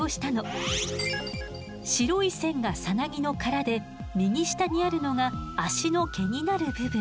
白い線がさなぎの殻で右下にあるのが足の毛になる部分。